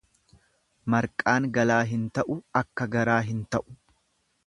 Marqaan galaa hin ta'u akka garaa hin ta'u.